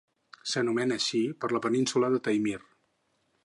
S'anomena així per la península de Taimir.